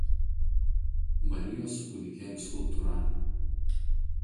Marijos su kūdikėliu skulptūra.